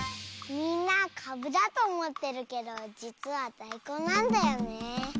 「みんなかぶだとおもってるけどじつはだいこんなんだよね」。